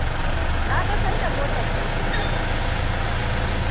Na ga sanda motar ta yi bindiga.